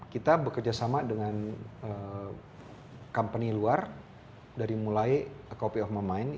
kita bekerjasama dengan company luar dari mulai a copy of my mind